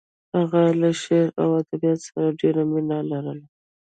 هغه له شعر او ادبیاتو سره ډېره مینه لرله